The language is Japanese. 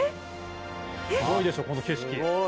すごいでしょこの景色。